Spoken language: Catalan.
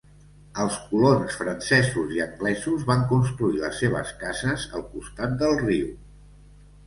Els colons francesos i anglesos van construir les seves cases al costat del riu.